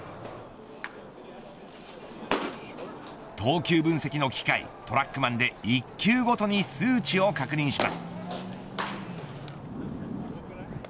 投球分析の機械トラックマンで一球ごとに数値を確認します。